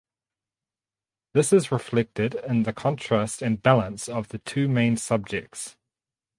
This is reflected in the contrast and balance of the two main subjects.